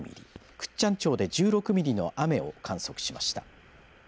倶知安町で１６ミリの雨を観測しました。